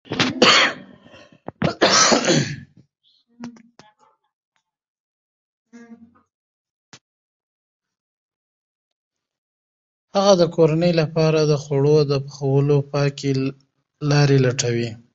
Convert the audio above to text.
هغه د کورنۍ لپاره د خوړو د پخولو پاکې لارې لټوي.